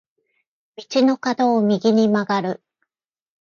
道の角を右に曲がる。